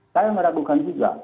saya meragukan juga